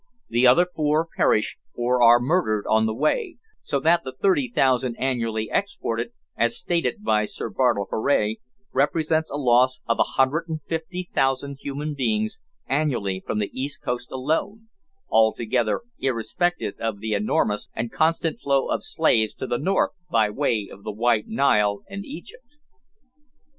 The other four perish or are murdered on the way, so that the thirty thousand annually exported, as stated by Sir Bartle Frere, represents a loss of 150,000 human beings annually from the east coast alone, altogether irrespective of the enormous and constant flow of slaves to the north by way of the White Nile and Egypt.